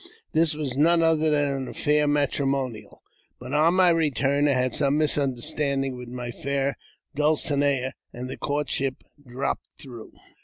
This was none other than an affair matrimonial ; but on my return I had some misunderstanding with my fair dulcinea, and the courtship dropped through.